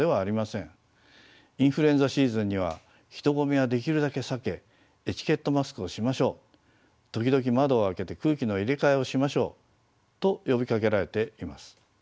インフルエンザシーズンには人混みはできるだけ避けエチケットマスクをしましょう時々窓を開けて空気の入れ替えをしましょうと呼びかけられています。